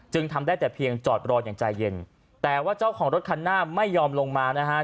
ทำได้แต่เพียงจอดรออย่างใจเย็นแต่ว่าเจ้าของรถคันหน้าไม่ยอมลงมานะฮะ